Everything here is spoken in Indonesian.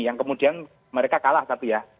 yang kemudian mereka kalah satu ya